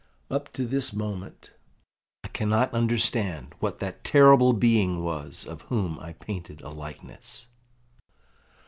'Up to this moment, I cannot understand what that terrible being was of whom I painted a likeness.